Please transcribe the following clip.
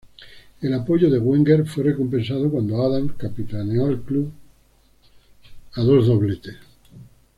El apoyo de Wenger fue recompensado cuando Adams capitaneó al club a dos dobletes.